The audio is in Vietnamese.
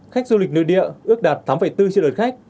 khách du lịch nơi địa ước đạt tám bốn triệu đợt khách